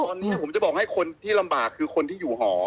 ตอนนี้ผมจะบอกให้คนที่ลำบากคือคนที่อยู่หอ